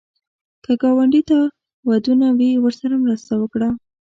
که ګاونډي ته ودونه وي، ورسره مرسته وکړه